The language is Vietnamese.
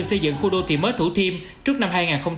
xây dựng khu đô thị mới thủ thiêm trước năm hai nghìn hai mươi